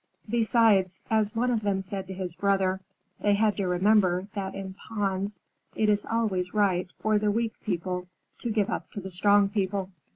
Besides, as one of them said to his brother, they had to remember that in ponds it is always right for the weak people to give up to the strong people.